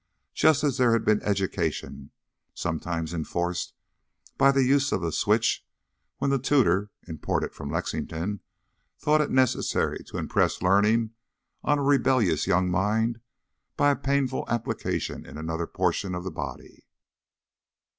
Just as there had been education, sometimes enforced by the use of a switch when the tutor imported from Lexington thought it necessary to impress learning on a rebellious young mind by a painful application in another portion of the body.